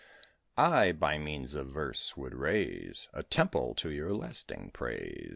I By means of verse, would raise A temple to your lasting praise.